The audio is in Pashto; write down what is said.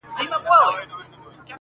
د شنو طوطیانو د کلونو کورګی-